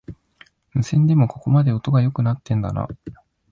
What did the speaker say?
無線でもここまで音が良くなってんだな